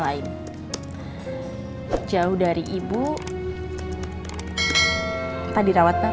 dan jauh dari ibunya terpaksa dirawat ke rumahnya